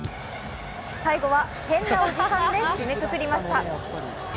最後は変なおじさんで締めくくりました。